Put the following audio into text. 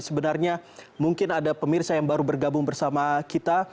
sebenarnya mungkin ada pemirsa yang baru bergabung bersama kita